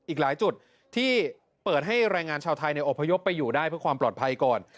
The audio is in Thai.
อีกหลายจุดที่เปิดให้แรงงานชาวไทยอบพยพไปอยู่ได้เพื่อความปลอดภัยก่อน